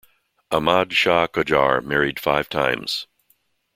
Ahmad Shah Qajar married five times.